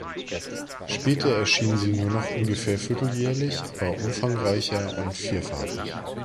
Später erschien sie nur noch ungefähr vierteljährlich, aber umfangreicher und vierfarbig.